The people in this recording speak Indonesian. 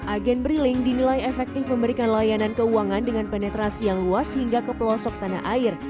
agen bri link dinilai efektif memberikan layanan keuangan dengan penetrasi yang luas hingga ke pelosok tanah air